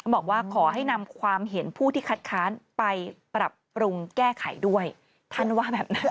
บอกว่าขอให้นำความเห็นผู้ที่คัดค้านไปปรับปรุงแก้ไขด้วยท่านว่าแบบนั้น